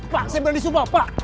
pak saya berani supapak